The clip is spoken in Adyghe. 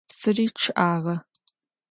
Psıri ççı'ağe.